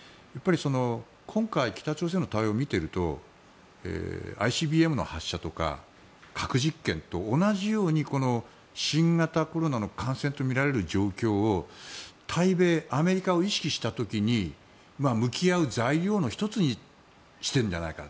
今回、北朝鮮の対応を見ているとＩＣＢＭの発射とか核実験と同じようにこの新型コロナの感染とみられる状況を対米、アメリカを意識した時に向き合う材料の１つにしているのではないか。